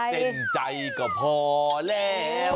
เส้นใจก็พอแล้ว